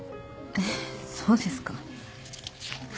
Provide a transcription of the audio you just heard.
えそうですか？